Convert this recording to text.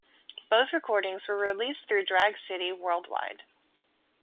Both recordings were released through Drag City, worldwide.